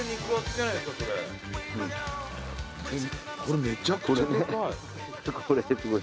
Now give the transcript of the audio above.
これめちゃくちゃでかい。